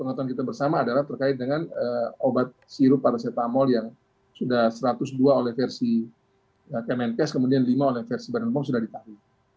pengetahuan kita bersama adalah terkait dengan obat sirup paracetamol yang sudah satu ratus dua oleh versi kemenkes kemudian lima oleh versi badan pom sudah ditahu